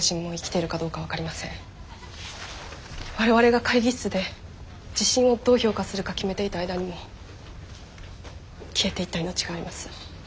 我々が会議室で地震をどう評価するか決めていた間にも消えていった命があります。